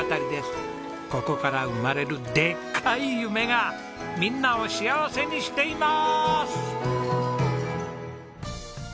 ここから生まれるでっかい夢がみんなを幸せにしています！